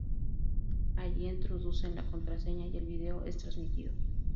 Allí introducen la contraseña y el vídeo es transmitido.